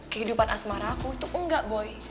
kehidupan asmara aku itu enggak boy